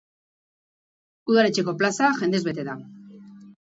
Udaletxeko plaza jendez bete da.